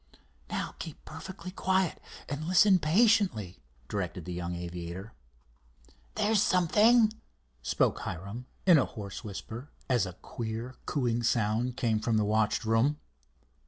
"Now keep perfectly quiet and listen patiently," directed the young aviator. "There's something," spoke Hiram in a hoarse whisper, as a queer cooing sound came from the watched room.